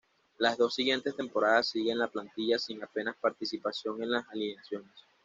Las dos siguientes temporadas sigue en la plantilla sin apenas participación en las alineaciones.